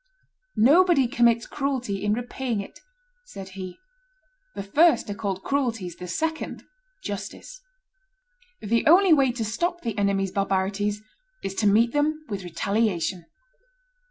"Nobody commits cruelty in repaying it," said he; "the first are called cruelties, the second justice. The only way to stop the enemy's barbarities is to meet them with retaliation."